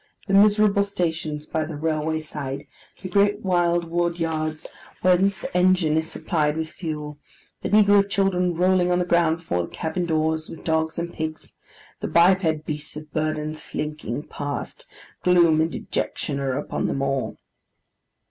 The miserable stations by the railway side, the great wild wood yards, whence the engine is supplied with fuel; the negro children rolling on the ground before the cabin doors, with dogs and pigs; the biped beasts of burden slinking past: gloom and dejection are upon them all.